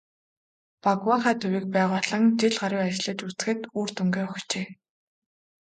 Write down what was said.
"Багваахай" төвийг байгуулан жил гаруй ажиллаж үзэхэд үр дүнгээ өгчээ.